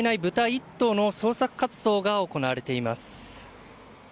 １頭の捜索活動が行われています。